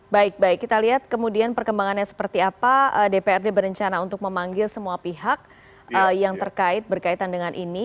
baik baik kita lihat kemudian perkembangannya seperti apa dprd berencana untuk memanggil semua pihak yang terkait berkaitan dengan ini